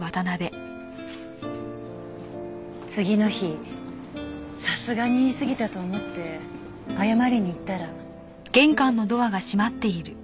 次の日さすがに言いすぎたと思って謝りに行ったら。